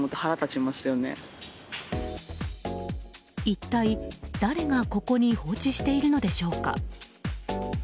一体誰がここに放置しているのでしょうか。